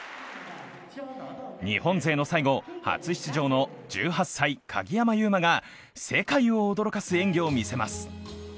日本勢の最後、初出場の１８歳、鍵山優真が世界を驚かす演技を見せます。